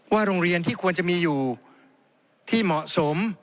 โรงเรียนที่ควรจะมีอยู่ที่เหมาะสม